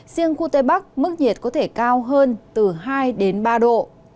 riêng khu tây bắc mức nhiệt có thể cao hơn từ hai đến ba độ